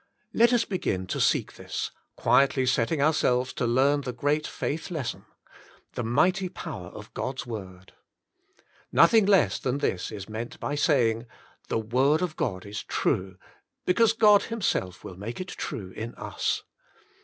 Let us begin to seek this, quietly setting ourselves to learn the great faith lesson, the mighty power of God's word. Nothing less than this is meant by saying: the Word of God Is True! because God himself will make it true in us.